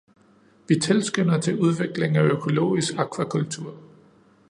Vi tilskynder til udvikling af økologisk akvakultur.